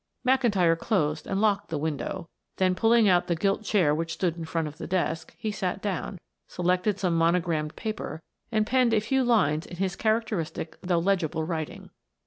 McIntyre closed and locked the window, then pulling out the gilt chair which stood in front of the desk, he sat down, selected some monogrammed paper and penned a few lines in his characteristic though legible writing.